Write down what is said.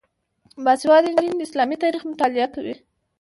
باسواده نجونې د اسلامي تاریخ مطالعه کوي.